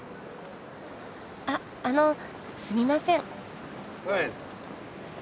あっあのすみません。